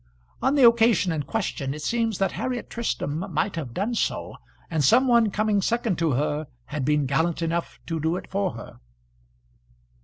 On the occasion in question it seems that Harriet Tristram might have done so, and some one coming second to her had been gallant enough to do it for her.